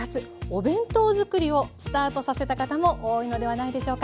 お弁当づくりをスタートさせた方も多いのではないでしょうか。